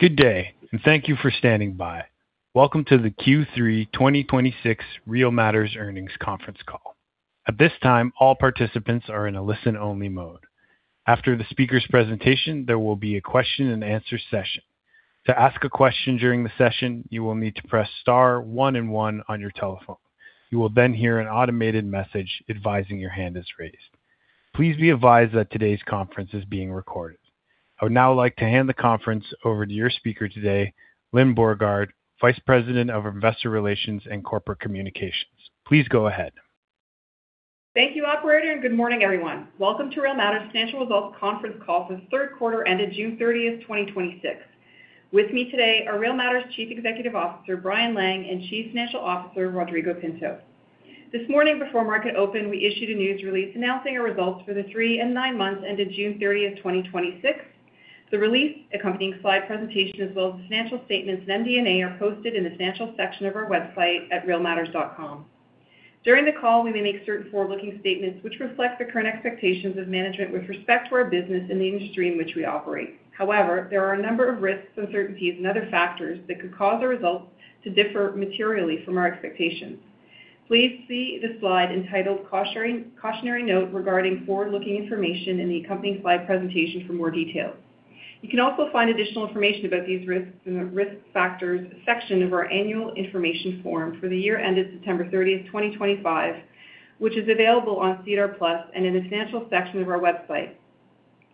Good day. Thank you for standing by. Welcome to the Q3 2026 Real Matters Earnings Conference Call. At this time, all participants are in a listen-only mode. After the speaker's presentation, there will be a question and answer session. To ask a question during the session, you will need to press star one and one on your telephone. You will then hear an automated message advising your hand is raised. Please be advised that today's conference is being recorded. I would now like to hand the conference over to your speaker today, Lyne Beauregard, Vice President of Investor Relations and Corporate Communications. Please go ahead. Thank you, operator. Good morning, everyone. Welcome to Real Matters Financial Results Conference Call for the third quarter ended June 30th, 2026. With me today are Real Matters Chief Executive Officer, Brian Lang, and Chief Financial Officer, Rodrigo Pinto. This morning before market open, we issued a news release announcing our results for the three and nine months ended June 30th, 2026. The release, accompanying slide presentation, as well as the financial statements and MD&A are posted in the Financial section of our website at realmatters.com. During the call, we may make certain forward-looking statements which reflect the current expectations of management with respect to our business and the industry in which we operate. However, there are a number of risks, uncertainties and other factors that could cause our results to differ materially from our expectations. Please see the slide entitled Cautionary Note Regarding Forward-Looking Information in the accompanying slide presentation for more details. You can also find additional information about these risks in the Risk Factors section of our Annual Information Form for the year ended September 30th, 2025, which is available on SEDAR+ and in the Financial section of our website.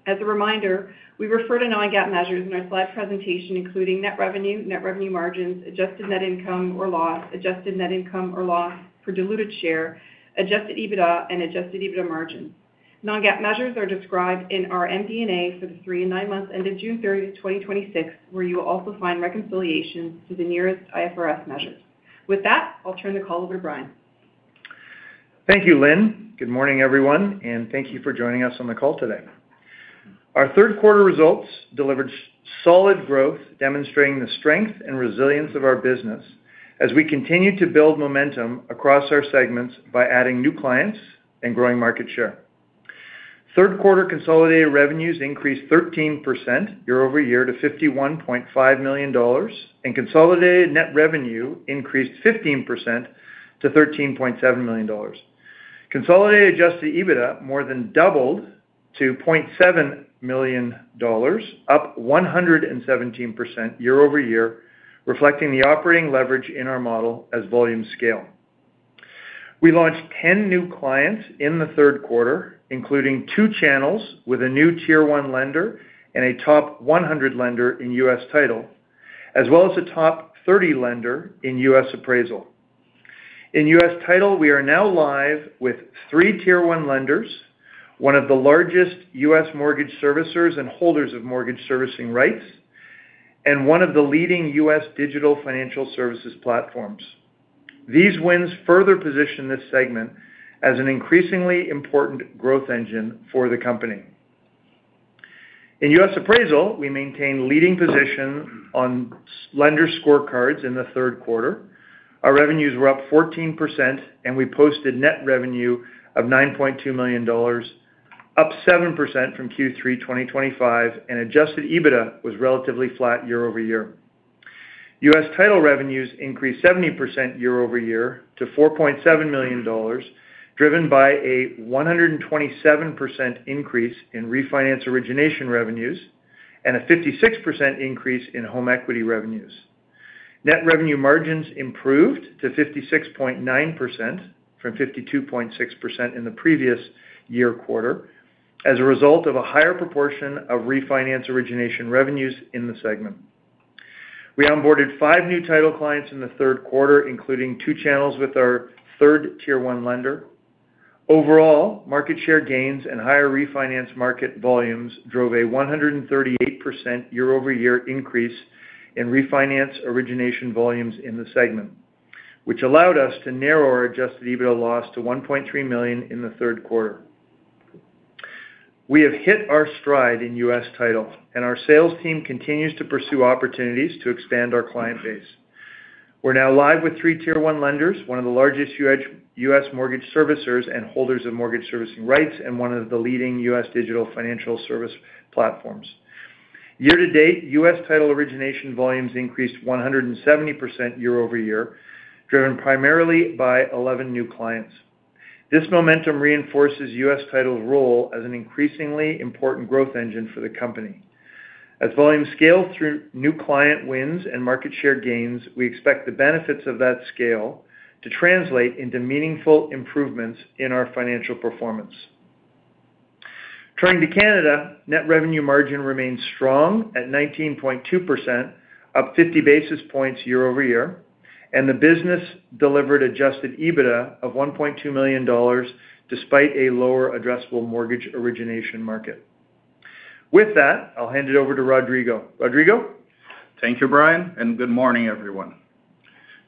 As a reminder, we refer to non-GAAP measures in our slide presentation, including net revenue, net revenue margins, adjusted net income or loss, adjusted net income or loss per diluted share, adjusted EBITDA and adjusted EBITDA margins. Non-GAAP measures are described in our MD&A for the three and nine months ended June 30th, 2026, where you will also find reconciliation to the nearest IFRS measures. With that, I'll turn the call over to Brian. Thank you, Lyne. Good morning, everyone. Thank you for joining us on the call today. Our third quarter results delivered solid growth, demonstrating the strength and resilience of our business as we continue to build momentum across our segments by adding new clients and growing market share. Third quarter consolidated revenues increased 13% year-over-year to 51.5 million dollars. Consolidated net revenue increased 15% to 13.7 million dollars. Consolidated adjusted EBITDA more than doubled to 0.7 million dollars, up 117% year-over-year, reflecting the operating leverage in our model as volumes scale. We launched 10 new clients in the third quarter, including two channels with a new Tier 1 lender and a top 100 lender in U.S. Title, as well as a top 30 lender in U.S. Appraisal. In U.S. Title, we are now live with three Tier 1 lenders, one of the largest U.S. mortgage servicers and holders of mortgage servicing rights, and one of the leading U.S. digital financial services platforms. These wins further position this segment as an increasingly important growth engine for the company. In U.S. Appraisal, we maintained leading position on lender scorecards in the third quarter. Our revenues were up 14% and we posted net revenue of 9.2 million dollars, up 7% from Q3 2025, and Adjusted EBITDA was relatively flat year-over-year. U.S. Title revenues increased 70% year-over-year to 4.7 million dollars, driven by a 127% increase in refinance origination revenues and a 56% increase in home equity revenues. Net revenue margins improved to 56.9% from 52.6% in the previous year quarter as a result of a higher proportion of refinance origination revenues in the segment. We onboarded five new title clients in the third quarter, including two channels with our third Tier 1 lender. Overall, market share gains and higher refinance market volumes drove a 138% year-over-year increase in refinance origination volumes in the segment, which allowed us to narrow our Adjusted EBITDA loss to 1.3 million in the third quarter. We have hit our stride in U.S. Title, and our sales team continues to pursue opportunities to expand our client base. We're now live with three Tier 1 lenders, one of the largest U.S. mortgage servicers and holders of mortgage servicing rights, and one of the leading U.S. digital financial service platforms. Year-to-date, U.S. Title origination volumes increased 170% year-over-year, driven primarily by 11 new clients. This momentum reinforces U.S. Title's role as an increasingly important growth engine for the company. As volumes scale through new client wins and market share gains, we expect the benefits of that scale to translate into meaningful improvements in our financial performance. Turning to Canada, net revenue margin remains strong at 19.2%, up 50 basis points year-over-year, and the business delivered adjusted EBITDA of 1.2 million dollars despite a lower addressable mortgage origination market. With that, I'll hand it over to Rodrigo. Rodrigo? Thank you, Brian, and good morning, everyone.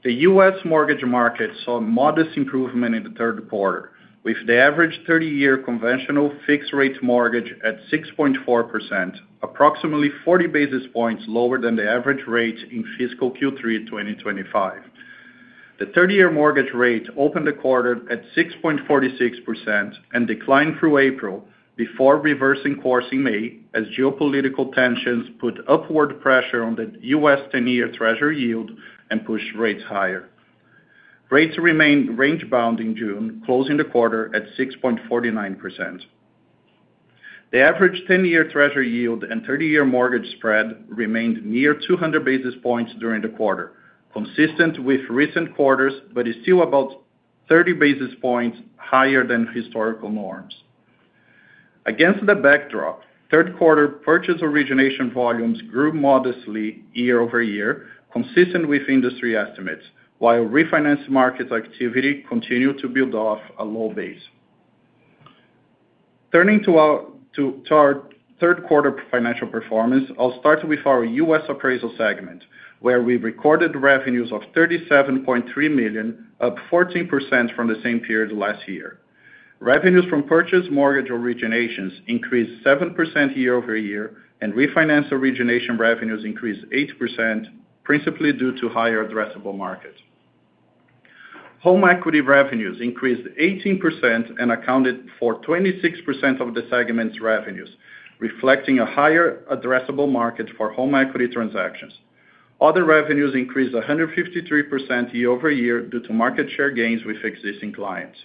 The U.S. mortgage market saw a modest improvement in the third quarter with the average 30-year conventional fixed-rate mortgage at 6.4%, approximately 40 basis points lower than the average rate in fiscal Q3 2025. The 30-year mortgage rate opened the quarter at 6.46% and declined through April before reversing course in May as geopolitical tensions put upward pressure on the U.S. 10-year Treasury yield and pushed rates higher. Rates remained range bound in June, closing the quarter at 6.49%. The average 10-year Treasury yield and 30-year mortgage spread remained near 200 basis points during the quarter, consistent with recent quarters, but is still about 30 basis points higher than historical norms. Against the backdrop, third quarter purchase origination volumes grew modestly year-over-year, consistent with industry estimates, while refinance markets activity continued to build off a low base. Turning to our third quarter financial performance, I'll start with our U.S. Appraisal segment, where we recorded revenues of 37.3 million, up 14% from the same period last year. Revenues from purchase mortgage originations increased 7% year-over-year, and refinance origination revenues increased 8%, principally due to higher addressable market. Home equity revenues increased 18% and accounted for 26% of the segment's revenues, reflecting a higher addressable market for home equity transactions. Other revenues increased 153% year-over-year due to market share gains with existing clients.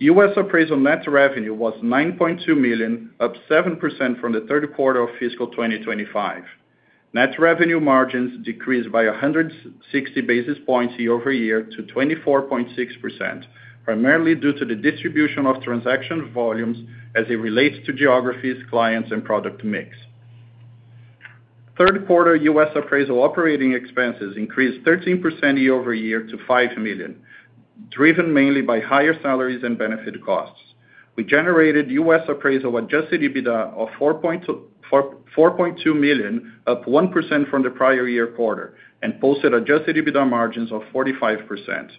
U.S. Appraisal net revenue was 9.2 million, up 7% from the third quarter of fiscal 2025. Net revenue margins decreased by 160 basis points year-over-year to 24.6%, primarily due to the distribution of transaction volumes as it relates to geographies, clients, and product mix. Third quarter U.S. Appraisal operating expenses increased 13% year-over-year to 5 million, driven mainly by higher salaries and benefit costs. We generated U.S. Appraisal adjusted EBITDA of 4.2 million, up 1% from the prior year quarter, and posted adjusted EBITDA margins of 45%.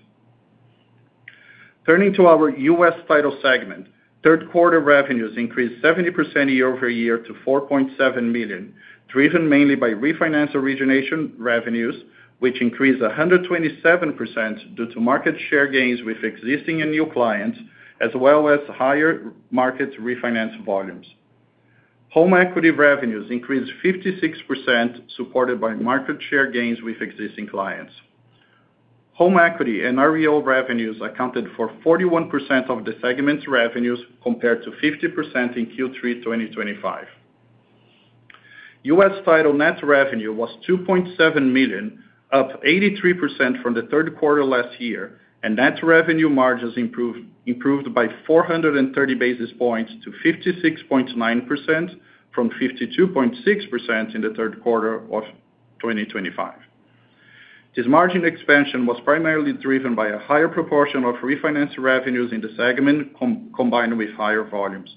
Turning to our U.S. Title segment, third quarter revenues increased 70% year-over-year to 4.7 million, driven mainly by refinance origination revenues, which increased 127% due to market share gains with existing and new clients, as well as higher market refinance volumes. Home equity revenues increased 56%, supported by market share gains with existing clients. Home equity and REO revenues accounted for 41% of the segment's revenues, compared to 50% in Q3 2025. U.S. Title net revenue was 2.7 million, up 83% from the third quarter last year, and net revenue margins improved by 430 basis points to 56.9%, from 52.6% in the third quarter of 2025. This margin expansion was primarily driven by a higher proportion of refinance revenues in the segment, combined with higher volumes.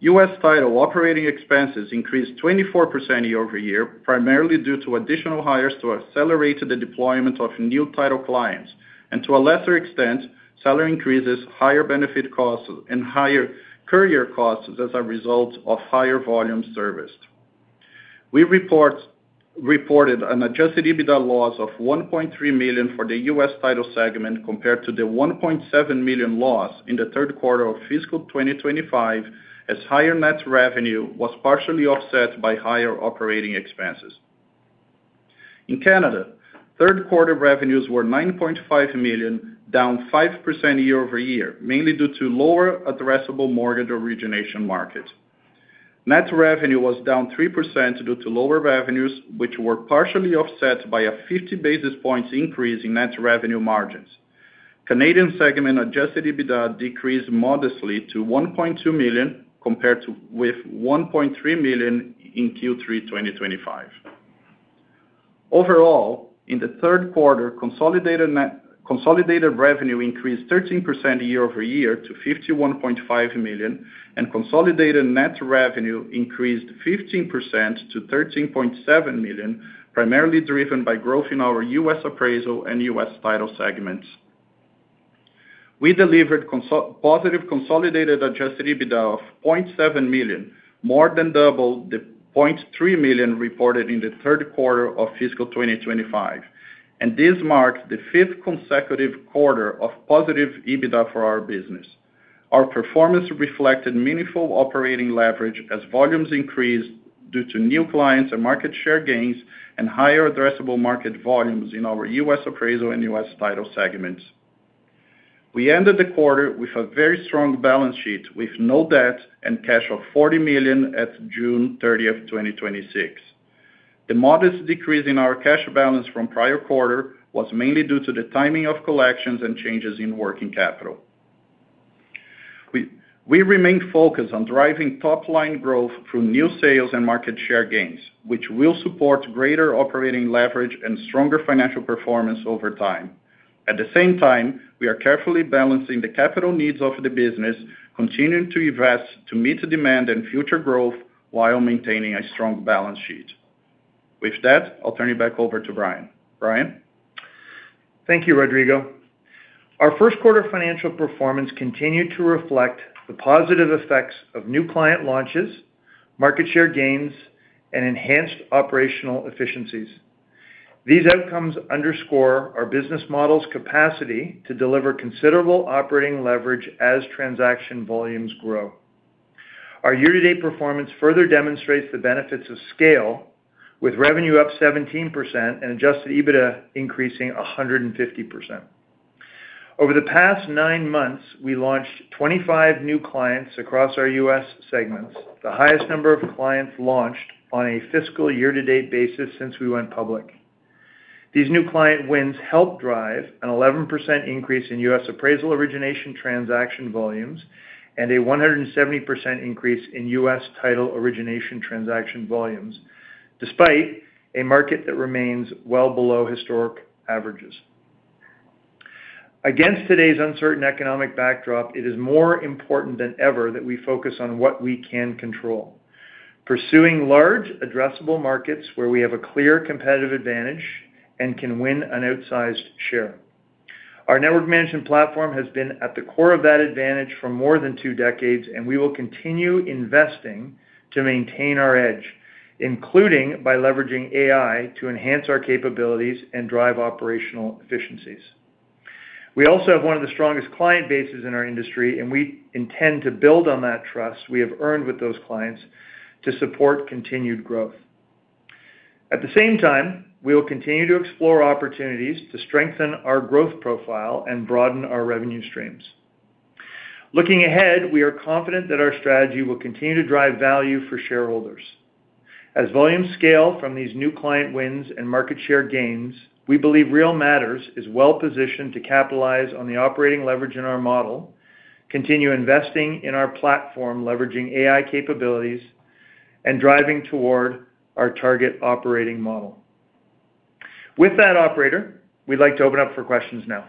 U.S. Title operating expenses increased 24% year-over-year, primarily due to additional hires to accelerate the deployment of new title clients, and to a lesser extent, salary increases, higher benefit costs, and higher courier costs as a result of higher volume serviced. We reported an adjusted EBITDA loss of 1.3 million for the U.S. Title segment compared to the 1.7 million loss in the third quarter of fiscal 2025, as higher net revenue was partially offset by higher operating expenses. In Canada, third quarter revenues were 9.5 million, down 5% year-over-year, mainly due to lower addressable mortgage origination market. Net revenue was down 3% due to lower revenues, which were partially offset by a 50 basis points increase in net revenue margins. Canadian segment adjusted EBITDA decreased modestly to 1.2 million compared with 1.3 million in Q3 2025. Overall, in the third quarter, consolidated revenue increased 13% year-over-year to 51.5 million, and consolidated net revenue increased 15% to 13.7 million, primarily driven by growth in our U.S. Appraisal and U.S. Title segments. We delivered positive consolidated adjusted EBITDA of 0.7 million, more than double the 0.3 million reported in the third quarter of fiscal 2025. This marks the fifth consecutive quarter of positive EBITDA for our business. Our performance reflected meaningful operating leverage as volumes increased due to new clients and market share gains and higher addressable market volumes in our U.S. Appraisal and U.S. Title segments. We ended the quarter with a very strong balance sheet, with no debt and cash of 40 million at June 30th, 2026. The modest decrease in our cash balance from prior quarter was mainly due to the timing of collections and changes in working capital. We remain focused on driving top-line growth through new sales and market share gains, which will support greater operating leverage and stronger financial performance over time. At the same time, we are carefully balancing the capital needs of the business, continuing to invest to meet demand and future growth while maintaining a strong balance sheet. With that, I'll turn it back over to Brian. Brian? Thank you, Rodrigo. Our first quarter financial performance continued to reflect the positive effects of new client launches, market share gains, and enhanced operational efficiencies. These outcomes underscore our business model's capacity to deliver considerable operating leverage as transaction volumes grow. Our year-to-date performance further demonstrates the benefits of scale, with revenue up 17% and adjusted EBITDA increasing 150%. Over the past nine months, we launched 25 new clients across our U.S. segments, the highest number of clients launched on a fiscal year-to-date basis since we went public. These new client wins helped drive an 11% increase in U.S. appraisal origination transaction volumes, and a 170% increase in U.S. title origination transaction volumes, despite a market that remains well below historic averages. Against today's uncertain economic backdrop, it is more important than ever that we focus on what we can control. Pursuing large addressable markets where we have a clear competitive advantage and can win an outsized share. Our network management platform has been at the core of that advantage for more than two decades, and we will continue investing to maintain our edge, including by leveraging AI to enhance our capabilities and drive operational efficiencies. We also have one of the strongest client bases in our industry, and we intend to build on that trust we have earned with those clients to support continued growth. At the same time, we will continue to explore opportunities to strengthen our growth profile and broaden our revenue streams. Looking ahead, we are confident that our strategy will continue to drive value for shareholders. As volumes scale from these new client wins and market share gains, we believe Real Matters is well-positioned to capitalize on the operating leverage in our model, continue investing in our platform, leveraging AI capabilities, and driving toward our target operating model. With that, operator, we'd like to open up for questions now.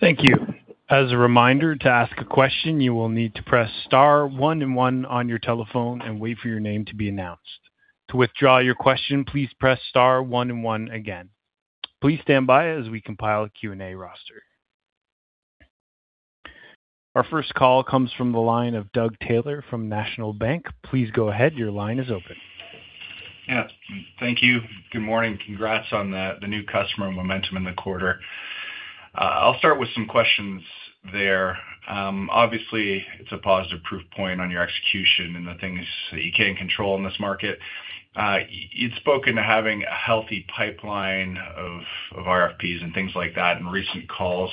Thank you. As a reminder, to ask a question, you will need to press star one and one on your telephone and wait for your name to be announced. To withdraw your question, please press star one and one again. Please stand by as we compile a Q&A roster. Our first call comes from the line of Doug Taylor from National Bank. Please go ahead. Your line is open. Yeah. Thank you. Good morning. Congrats on the new customer momentum in the quarter. I'll start with some questions there. Obviously, it's a positive proof point on your execution and the things that you can control in this market. You'd spoken to having a healthy pipeline of RFPs and things like that in recent calls.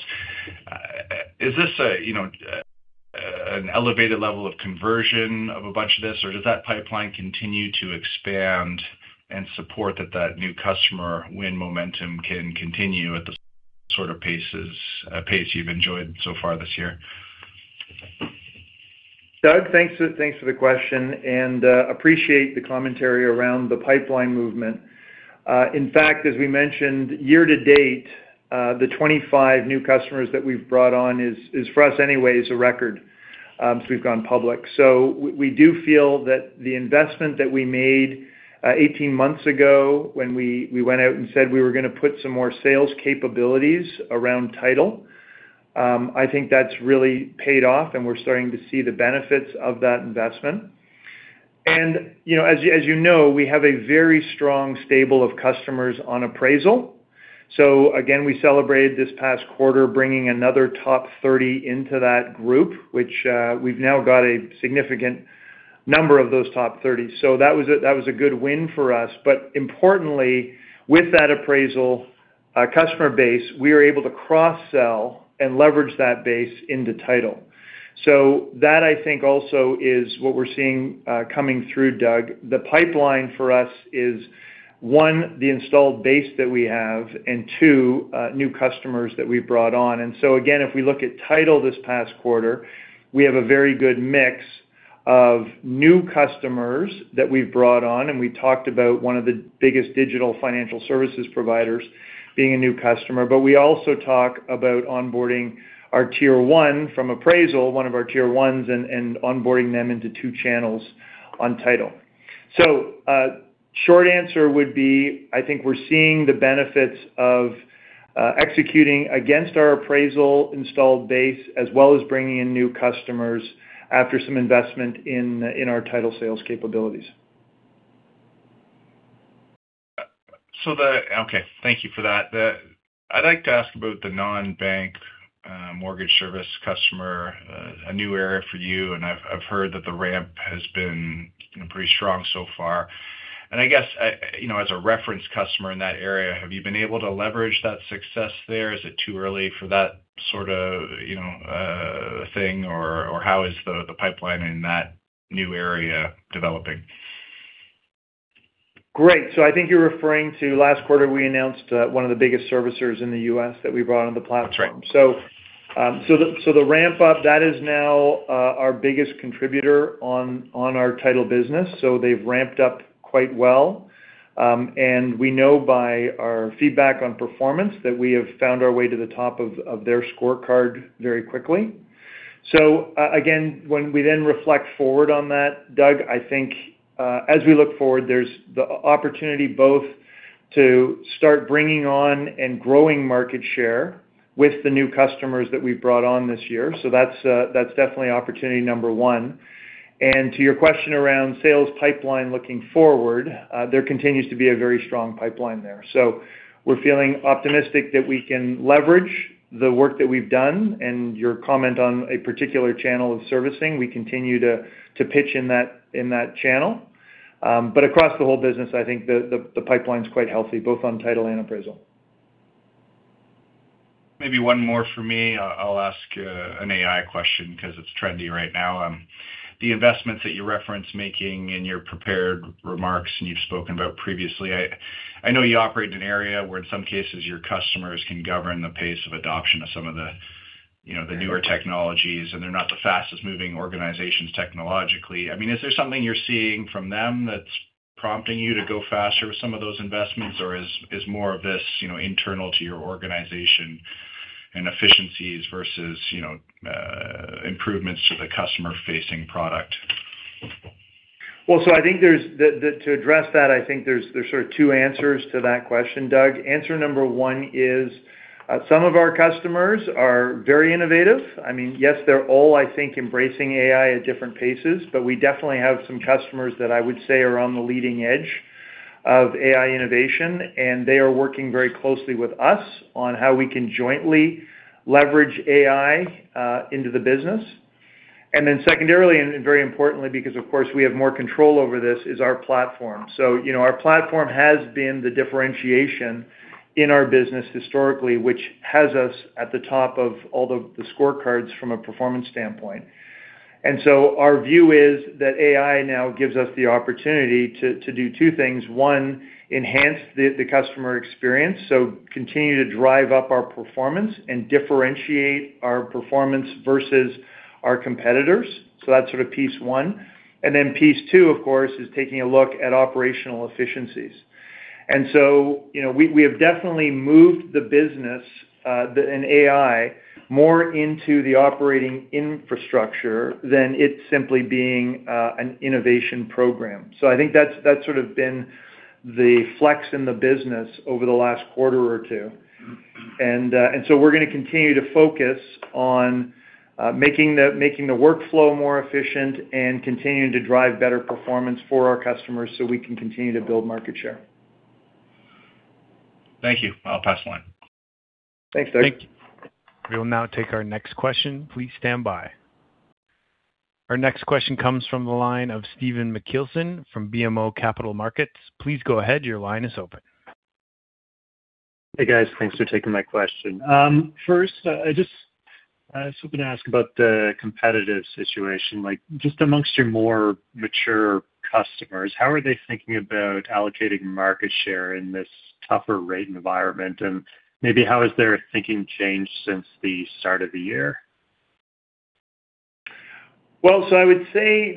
Is this an elevated level of conversion of a bunch of this? Does that pipeline continue to expand and support that new customer win momentum can continue at the sort of pace you've enjoyed so far this year? Doug, thanks for the question, and appreciate the commentary around the pipeline movement. In fact, as we mentioned year-to-date, the 25 new customers that we've brought on is for us anyway is a record, since we've gone public. We do feel that the investment that we made 18 months ago when we went out and said we were going to put some more sales capabilities around title. I think that's really paid off, and we're starting to see the benefits of that investment. As you know, we have a very strong stable of customers on appraisal. Again, we celebrated this past quarter bringing another top 30 into that group, which we've now got a significant number of those top 30. That was a good win for us. Importantly, with that appraisal customer base, we are able to cross-sell and leverage that base into title. That I think also is what we're seeing coming through, Doug. The pipeline for us is one, the installed base that we have, and two, new customers that we've brought on. Again, if we look at title this past quarter, we have a very good mix of new customers that we've brought on, and we talked about one of the biggest digital financial services providers being a new customer. But we also talk about onboarding our Tier 1 from appraisal, one of our Tier 1s, and onboarding them into two channels on title. Short answer would be, I think we're seeing the benefits of executing against our appraisal installed base, as well as bringing in new customers after some investment in our title sales capabilities. Okay. Thank you for that. I'd like to ask about the non-bank mortgage service customer, a new area for you, and I've heard that the ramp has been pretty strong so far. I guess, as a reference customer in that area, have you been able to leverage that success there? Is it too early for that sort of thing? How is the pipeline in that new area developing? Great. I think you're referring to last quarter, we announced one of the biggest servicers in the U.S. that we brought on the platform. That's right. The ramp-up, that is now our biggest contributor on our title business. They've ramped up quite well. We know by our feedback on performance that we have found our way to the top of their scorecard very quickly. Again, when we then reflect forward on that, Doug, I think as we look forward, there's the opportunity both to start bringing on and growing market share with the new customers that we've brought on this year. That's definitely opportunity number one. To your question around sales pipeline looking forward, there continues to be a very strong pipeline there. We're feeling optimistic that we can leverage the work that we've done. Your comment on a particular channel of servicing, we continue to pitch in that channel. Across the whole business, I think the pipeline's quite healthy, both on title and appraisal. Maybe one more from me. I'll ask an AI question because it's trendy right now. The investments that you referenced making in your prepared remarks and you've spoken about previously, I know you operate in an area where in some cases your customers can govern the pace of adoption of some of the newer technologies, and they're not the fastest moving organizations technologically. Is there something you're seeing from them that's prompting you to go faster with some of those investments? Is more of this internal to your organization and efficiencies versus improvements to the customer-facing product? To address that, I think there's two answers to that question, Doug. Answer number one is, some of our customers are very innovative. Yes, they're all, I think, embracing AI at different paces. We definitely have some customers that I would say are on the leading edge of AI innovation, and they are working very closely with us on how we can jointly leverage AI into the business. Secondarily, and very importantly, because of course we have more control over this, is our platform. Our platform has been the differentiation in our business historically, which has us at the top of all the scorecards from a performance standpoint. Our view is that AI now gives us the opportunity to do two things. One, enhance the customer experience, continue to drive up our performance and differentiate our performance versus our competitors. That's piece one. Piece two, of course, is taking a look at operational efficiencies. We have definitely moved the business in AI more into the operating infrastructure than it simply being an innovation program. I think that's been the flex in the business over the last quarter or two. We're going to continue to focus on making the workflow more efficient and continuing to drive better performance for our customers so we can continue to build market share. Thank you. I'll pass the line. Thanks, Doug. We will now take our next question. Please stand by. Our next question comes from the line of Stephen Machielsen from BMO Capital Markets. Please go ahead. Your line is open. Hey, guys. Thanks for taking my question. First, I just was hoping to ask about the competitive situation. Just amongst your more mature customers, how are they thinking about allocating market share in this tougher rate environment? Maybe how has their thinking changed since the start of the year? I would say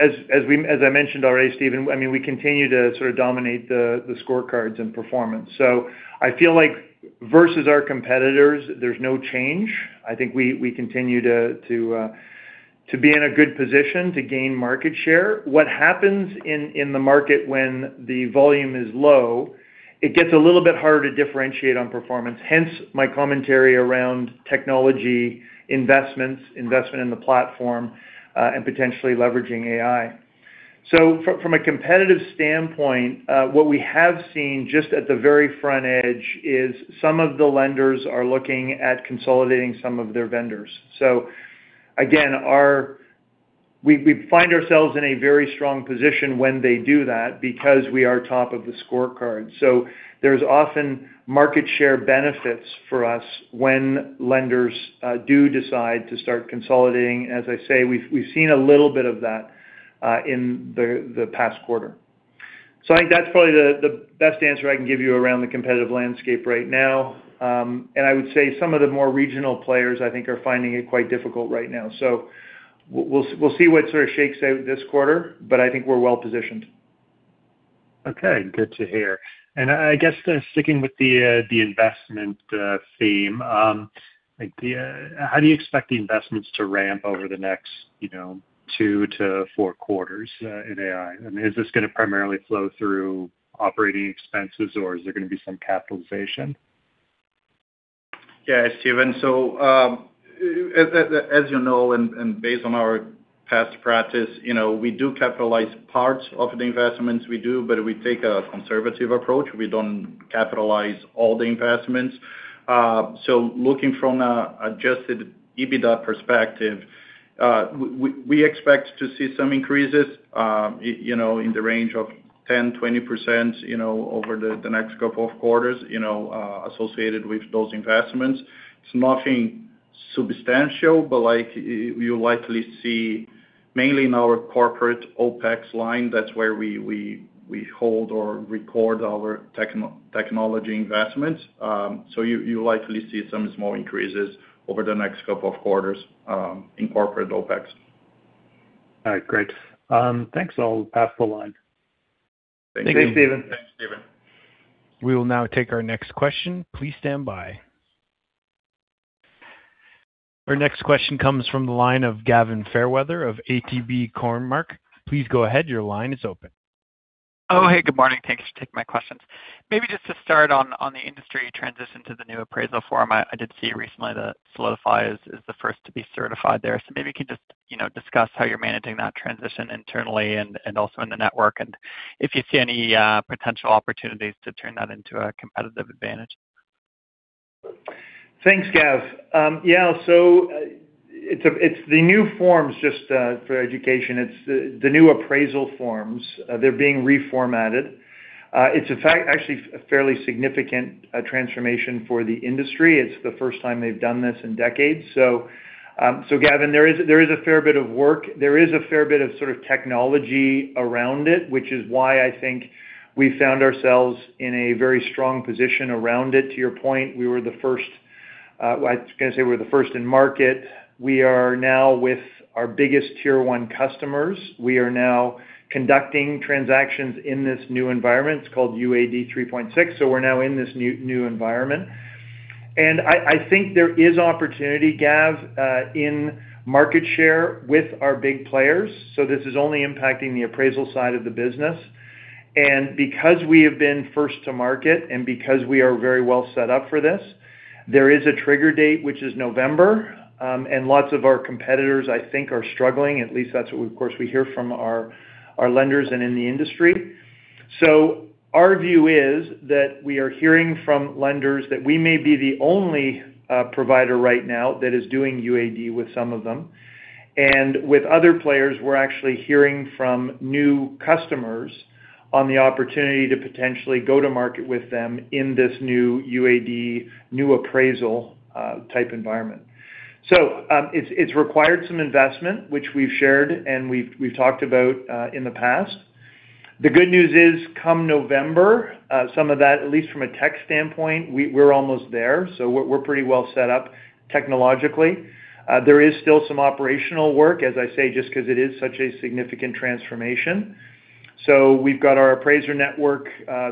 as I mentioned already, Stephen, we continue to dominate the scorecards and performance. I feel like versus our competitors, there's no change. I think we continue to be in a good position to gain market share. What happens in the market when the volume is low, it gets a little bit harder to differentiate on performance. Hence my commentary around technology investments, investment in the platform, and potentially leveraging AI. From a competitive standpoint, what we have seen just at the very front edge is some of the lenders are looking at consolidating some of their vendors. Again, we find ourselves in a very strong position when they do that because we are top of the scorecard. There's often market share benefits for us when lenders do decide to start consolidating. As I say, we've seen a little bit of that in the past quarter. I think that's probably the best answer I can give you around the competitive landscape right now. I would say some of the more regional players, I think, are finding it quite difficult right now. We'll see what shakes out this quarter, but I think we're well-positioned. Okay. Good to hear. I guess, sticking with the investment theme, how do you expect the investments to ramp over the next two to four quarters in AI? Is this going to primarily flow through operating expenses, or is there going to be some capitalization? Yeah, Stephen, as you know and based on our past practice, we do capitalize parts of the investments we do, we take a conservative approach. We don't capitalize all the investments. Looking from an adjusted EBITDA perspective, we expect to see some increases in the range of 10%-20% over the next couple of quarters associated with those investments. It's nothing substantial, you'll likely see mainly in our corporate OpEx line. That's where we hold or record our technology investments. You'll likely see some small increases over the next couple of quarters in corporate OpEx. All right, great. Thanks. I'll pass the line. Thank you. Thanks, Stephen. We will now take our next question. Please stand by. Our next question comes from the line of Gavin Fairweather of ATB Cormark. Please go ahead. Your line is open. Oh, hey, good morning. Thanks for taking my questions. Maybe just to start on the industry transition to the new appraisal form. I did see recently that Solidifi is the first to be certified there, so maybe you can just discuss how you're managing that transition internally and also in the network, and if you see any potential opportunities to turn that into a competitive advantage. Thanks, Gav. Yeah, it's the new forms, just for education. It's the new appraisal forms. They're being reformatted. It's, in fact, actually a fairly significant transformation for the industry. It's the first time they've done this in decades. Gavin, there is a fair bit of work. There is a fair bit of technology around it, which is why I think we found ourselves in a very strong position around it. To your point, we were the first in market. We are now with our biggest Tier 1 customers. We are now conducting transactions in this new environment. It's called UAD 3.6, so we're now in this new environment. I think there is opportunity, Gav, in market share with our big players. This is only impacting the appraisal side of the business. Because we have been first to market, and because we are very well set up for this, there is a trigger date, which is November. Lots of our competitors, I think, are struggling. At least that's what, of course, we hear from our lenders and in the industry. Our view is that we are hearing from lenders that we may be the only provider right now that is doing UAD with some of them. And with other players, we're actually hearing from new customers on the opportunity to potentially go to market with them in this new UAD, new appraisal type environment. It's required some investment, which we've shared and we've talked about in the past. The good news is, come November, some of that, at least from a tech standpoint, we're almost there. We're pretty well set up technologically. There is still some operational work, as I say, just because it is such a significant transformation. We've got our appraiser network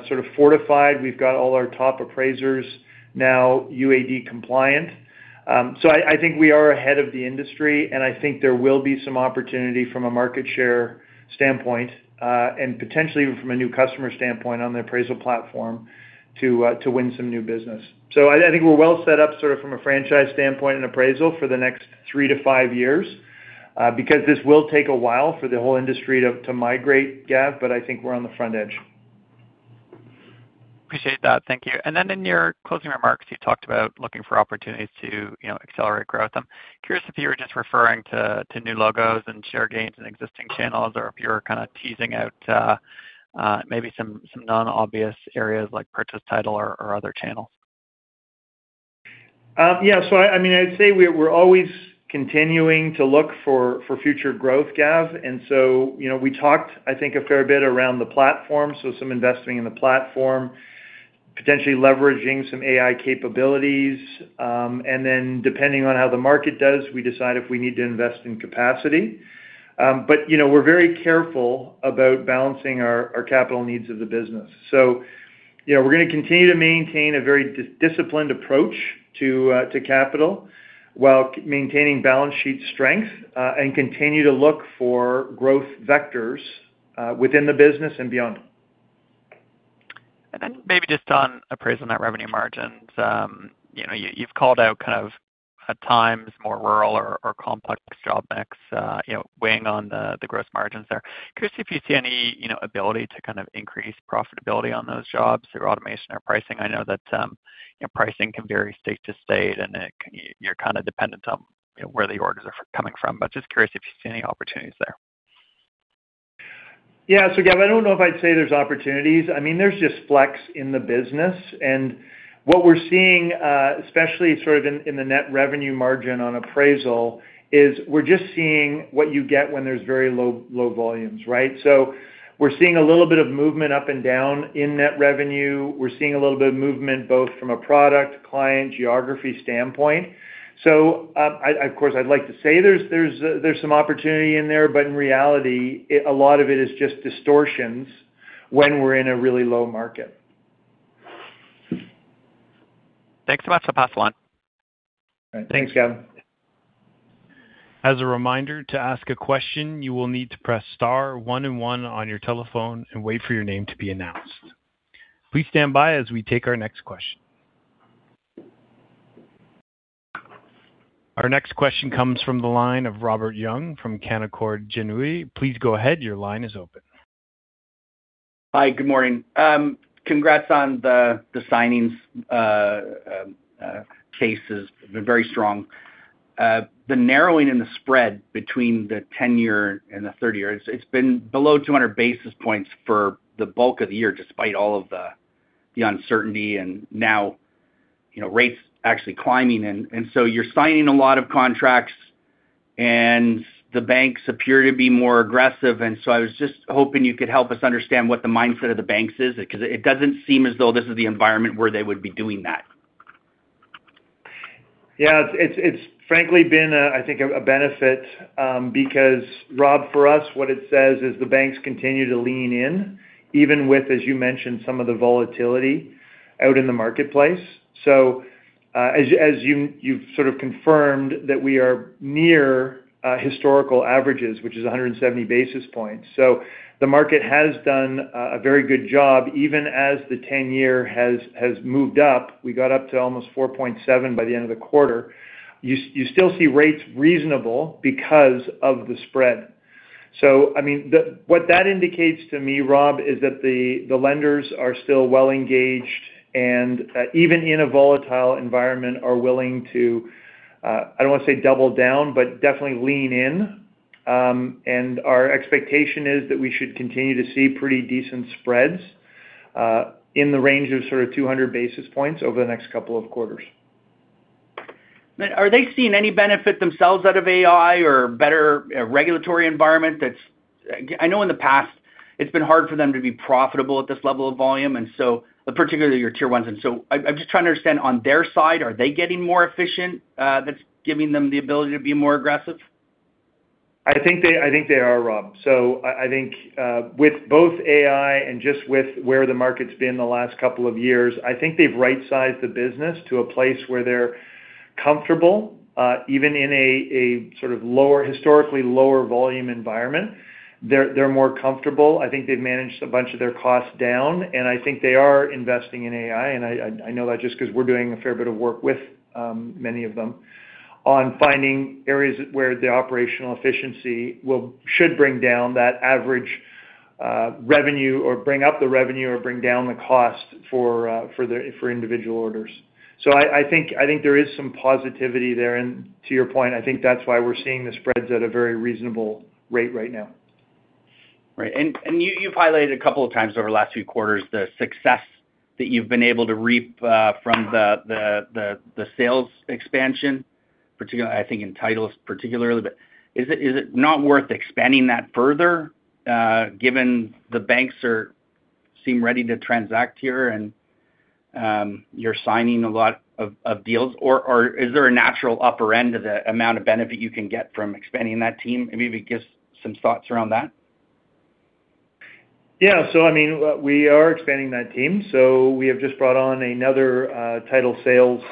sort of fortified. We've got all our top appraisers now UAD compliant. I think we are ahead of the industry, and I think there will be some opportunity from a market share standpoint, and potentially even from a new customer standpoint on the appraisal platform to win some new business. I think we're well set up from a franchise standpoint and appraisal for the next three to five years, because this will take a while for the whole industry to migrate, Gav, but I think we're on the front edge. Appreciate that. Thank you. Then in your closing remarks, you talked about looking for opportunities to accelerate growth. I'm curious if you were just referring to new logos and share gains in existing channels, or if you were kind of teasing out maybe some non-obvious areas like purchase Title or other channels. Yeah. I'd say we're always continuing to look for future growth, Gav, we talked, I think, a fair bit around the platform. Some investing in the platform, potentially leveraging some AI capabilities, depending on how the market does, we decide if we need to invest in capacity. We're very careful about balancing our capital needs of the business. We're going to continue to maintain a very disciplined approach to capital while maintaining balance sheet strength, and continue to look for growth vectors within the business and beyond. Maybe just on appraisal net revenue margins. You've called out at times more rural or complex job mix weighing on the gross margins there. Curious if you see any ability to increase profitability on those jobs through automation or pricing. I know that pricing can vary state to state, and you're dependent on where the orders are coming from. Just curious if you see any opportunities there. Yeah. Gavin, I don't know if I'd say there's opportunities. There's just flex in the business, and what we're seeing, especially in the net revenue margin on appraisal, is we're just seeing what you get when there's very low volumes, right? We're seeing a little bit of movement up and down in net revenue. We're seeing a little bit of movement both from a product, client, geography standpoint. Of course, I'd like to say there's some opportunity in there, in reality, a lot of it is just distortions when we're in a really low market. Thanks so much. I'll pass the line. All right. Thanks, Gavin. As a reminder, to ask a question, you will need to press star one and one on your telephone and wait for your name to be announced. Please stand by as we take our next question. Our next question comes from the line of Robert Young from Canaccord Genuity. Please go ahead. Your line is open. Hi, good morning. Congrats on the signings cases. They've been very strong. The narrowing and the spread between the 10-year and the 30-year, it's been below 200 basis points for the bulk of the year, despite all of the uncertainty, now rates actually climbing. You're signing a lot of contracts, and the banks appear to be more aggressive, I was just hoping you could help us understand what the mindset of the banks is, because it doesn't seem as though this is the environment where they would be doing that. Yeah. It's frankly been, I think, a benefit because, Rob, for us, what it says is the banks continue to lean in even with, as you mentioned, some of the volatility out in the marketplace. As you've sort of confirmed that we are near historical averages, which is 170 basis points. The market has done a very good job, even as the 10-year has moved up. We got up to almost 4.7 by the end of the quarter. You still see rates reasonable because of the spread. What that indicates to me, Rob, is that the lenders are still well engaged and, even in a volatile environment, are willing to, I don't want to say double down, but definitely lean in. Our expectation is that we should continue to see pretty decent spreads, in the range of sort of 200 basis points over the next couple of quarters. Are they seeing any benefit themselves out of AI or better regulatory environment? I know in the past it's been hard for them to be profitable at this level of volume, and particularly your Tier 1s. I'm just trying to understand on their side, are they getting more efficient, that's giving them the ability to be more aggressive? I think they are, Rob. I think with both AI and just with where the market's been the last couple of years, I think they've right-sized the business to a place where they're comfortable. Even in a sort of historically lower volume environment, they're more comfortable. I think they've managed a bunch of their costs down, I think they are investing in AI. I know that just because we're doing a fair bit of work with many of them on finding areas where the operational efficiency should bring down that average revenue, or bring up the revenue or bring down the cost for individual orders. I think there is some positivity there. To your point, I think that's why we're seeing the spreads at a very reasonable rate right now. Right. You've highlighted a couple of times over the last few quarters the success that you've been able to reap from the sales expansion, I think in titles particularly. Is it not worth expanding that further, given the banks seem ready to transact here and you're signing a lot of deals? Is there a natural upper end of the amount of benefit you can get from expanding that team? Maybe give us some thoughts around that. Yeah. We are expanding that team. We have just brought on another title sales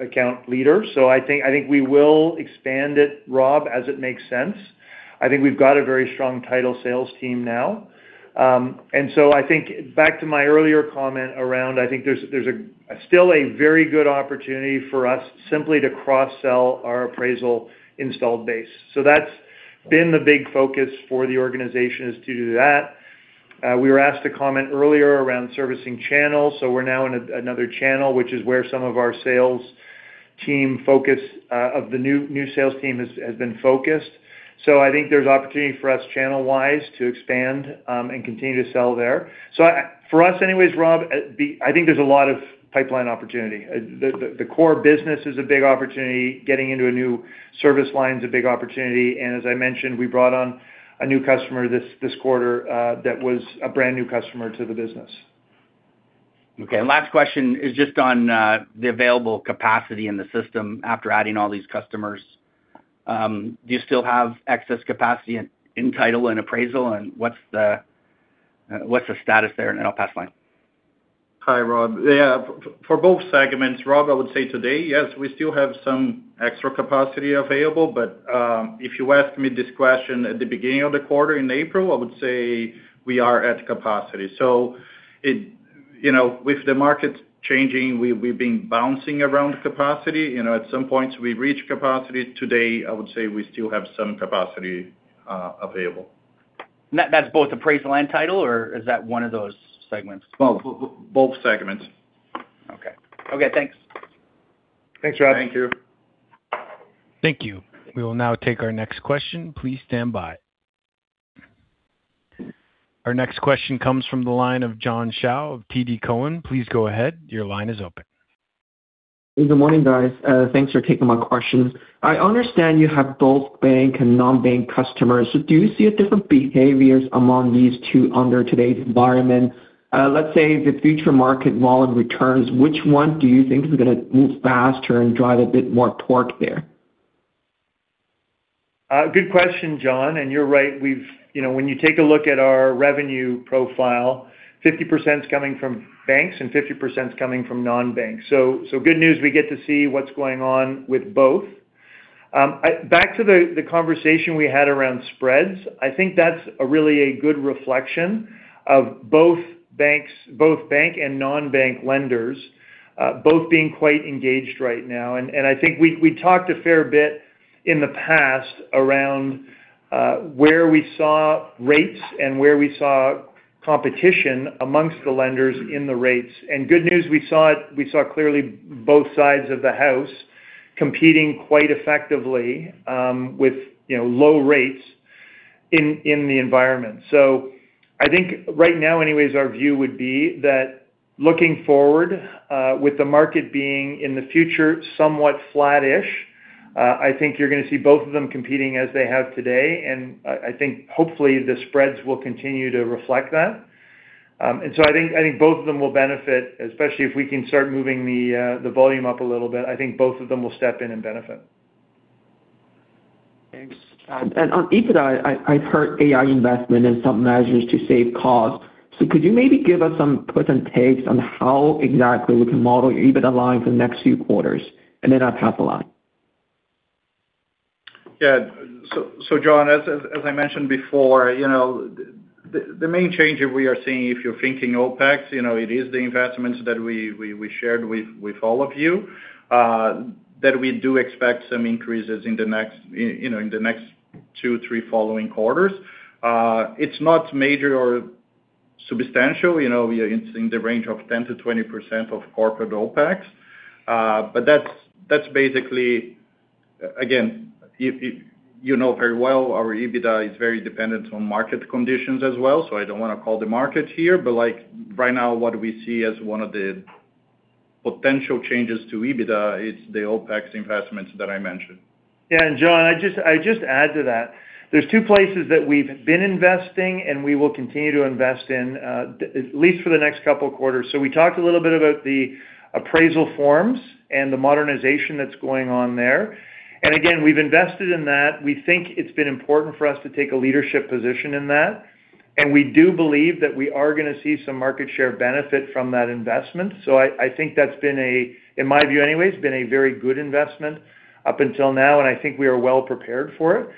account leader. I think we will expand it, Rob, as it makes sense. I think we've got a very strong title sales team now. I think back to my earlier comment around, I think there's still a very good opportunity for us simply to cross-sell our appraisal installed base. That's been the big focus for the organization is to do that. We were asked to comment earlier around servicing channels. We're now in another channel, which is where some of our new sales team has been focused. I think there's opportunity for us channel-wise to expand and continue to sell there. For us anyways, Rob, I think there's a lot of pipeline opportunity. The core business is a big opportunity. Getting into a new service line is a big opportunity. As I mentioned, we brought on a new customer this quarter that was a brand-new customer to the business. Okay. Last question is just on the available capacity in the system after adding all these customers. Do you still have excess capacity in title and appraisal, and what's the status there? I'll pass the line. Hi, Rob. Yeah. For both segments, Rob, I would say today, yes, we still have some extra capacity available. If you ask me this question at the beginning of the quarter in April, I would say we are at capacity. With the market changing, we've been bouncing around the capacity. At some points, we reach capacity. Today, I would say we still have some capacity available. That's both appraisal and title, or is that one of those segments? Both segments. Okay. Thanks. Thanks, Rob. Thank you. Thank you. We will now take our next question. Please stand by. Our next question comes from the line of John Shao of TD Cowen. Please go ahead. Your line is open. Good morning, guys. Thanks for taking my questions. I understand you have both bank and non-bank customers. Do you see a different behaviors among these two under today's environment? Let's say the future market volume returns. Which one do you think is going to move faster and drive a bit more torque there? Good question, John. You're right. When you take a look at our revenue profile, 50% is coming from banks and 50% is coming from non-banks. Good news, we get to see what's going on with both. Back to the conversation we had around spreads, I think that's really a good reflection of both bank and non-bank lenders both being quite engaged right now. I think we talked a fair bit in the past around where we saw rates and where we saw competition amongst the lenders in the rates. Good news, we saw clearly both sides of the house competing quite effectively with low rates in the environment. I think right now anyways, our view would be that looking forward, with the market being in the future somewhat flattish I think you're going to see both of them competing as they have today, and I think hopefully the spreads will continue to reflect that. I think both of them will benefit, especially if we can start moving the volume up a little bit. I think both of them will step in and benefit. Thanks. On EBITDA, I've heard AI investment in some measures to save costs. Could you maybe give us some puts and takes on how exactly we can model your EBITDA line for the next few quarters, and then on capital? Yeah. John, as I mentioned before, the main change that we are seeing, if you're thinking OpEx, it is the investments that we shared with all of you, that we do expect some increases in the next two, three following quarters. It's not major or substantial. We are in the range of 10%-20% of corporate OpEx. That's basically, again, you know very well our EBITDA is very dependent on market conditions as well, I don't want to call the market here, but right now what we see as one of the potential changes to EBITDA, it's the OpEx investments that I mentioned. Yeah. John, I just add to that. There's two places that we've been investing, and we will continue to invest in, at least for the next couple of quarters. We talked a little bit about the appraisal forms and the modernization that's going on there. Again, we've invested in that. We think it's been important for us to take a leadership position in that, and we do believe that we are going to see some market share benefit from that investment. I think that's, in my view anyway, has been a very good investment up until now, and I think we are well-prepared for it.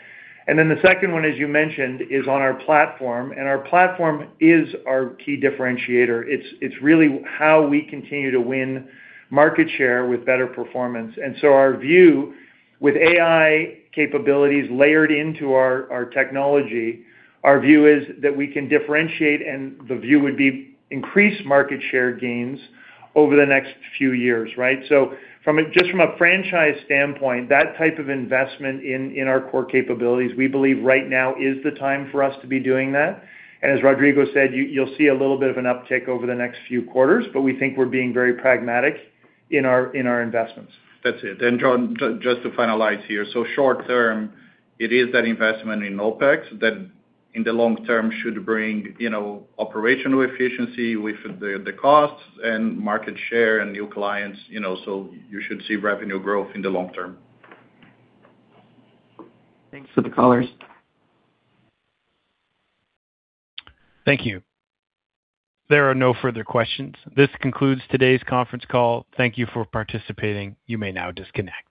Then the second one, as you mentioned, is on our platform, and our platform is our key differentiator. It's really how we continue to win market share with better performance. Our view with AI capabilities layered into our technology, our view is that we can differentiate and the view would be increased market share gains over the next few years, right? Just from a franchise standpoint, that type of investment in our core capabilities, we believe right now is the time for us to be doing that. As Rodrigo said, you'll see a little bit of an uptick over the next few quarters, but we think we're being very pragmatic in our investments. That's it. John, just to finalize here, short term, it is that investment in OpEx that in the long term should bring operational efficiency with the costs and market share and new clients, you should see revenue growth in the long term. Thanks to the colors. Thank you. There are no further questions. This concludes today's conference call. Thank you for participating. You may now disconnect.